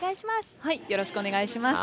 はいよろしくおねがいします。